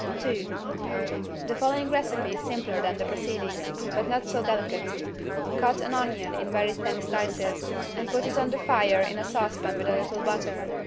II The following recipe is simpler than the preceding, but not so delicate. Cut an onion in very thin slices and put it on the fire in a saucepan with a little butter.